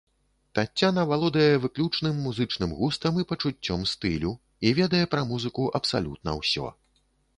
Таццяна валодае выключным музычным густам і пачуццём стылю, і ведае пра музыку абсалютна ўсё.